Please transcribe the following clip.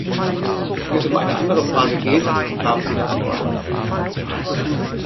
Wenn es um eine andere Frage geht, haben Sie das Wort.